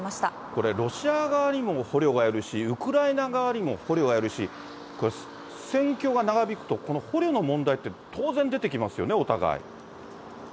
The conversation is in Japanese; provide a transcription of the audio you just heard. これ、ロシア側にも捕虜がいるし、ウクライナ側にも捕虜がいるし、これ、戦況が長引くとこの捕虜の問題って、当然出てきますよね、お互い。